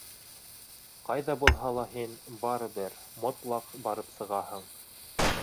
—Ҡайҙа булһа ла һин барыбер мотлаҡ барып сығаһың, —